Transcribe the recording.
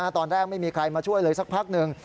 ตอนแรกไม่มีใครมาช่วยเลยสักพักหนึ่ง